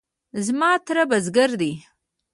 زما تره بزگر دی.